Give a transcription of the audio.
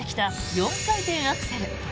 ４回転アクセル。